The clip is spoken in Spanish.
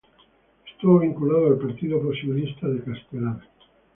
Estuvo vinculado al Partido Posibilista de Castelar.